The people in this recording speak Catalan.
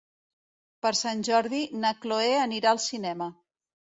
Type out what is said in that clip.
Per Sant Jordi na Chloé anirà al cinema.